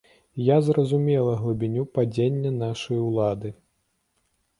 Я зразумела глыбіню падзення нашай улады.